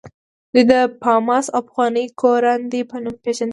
دوی د پامپاس او پخواني کوراندي په نومونو پېژندل کېدل.